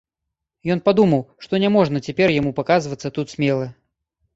Ён падумаў, што няможна цяпер яму паказвацца тут смела.